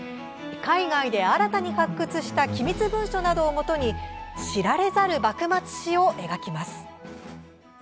海外で新たに発掘した機密文書などを基に知られざる幕末史を描きます。